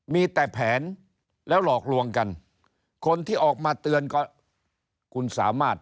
มีแต่แผนแล้วหลอกลวงกันคนที่ออกมาเตือนก็คุณสามารถ